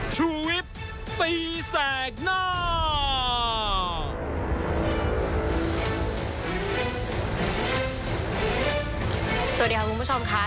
สวัสดีค่ะคุณผู้ชมค่ะ